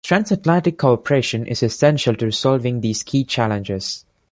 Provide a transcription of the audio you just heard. Transatlantic cooperation is essential to resolving these key challenges.